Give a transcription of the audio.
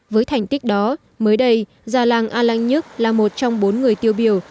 với thành tích đó mới đây già làng a lăng nhất là một trong bốn người tiêu biểu